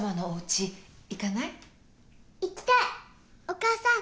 お母さん。